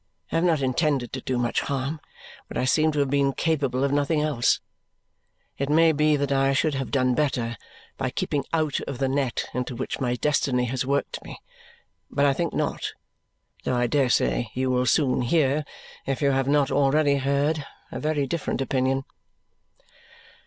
I have not intended to do much harm, but I seem to have been capable of nothing else. It may be that I should have done better by keeping out of the net into which my destiny has worked me, but I think not, though I dare say you will soon hear, if you have not already heard, a very different opinion.